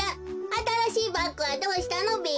あたらしいバッグはどうしたのべ？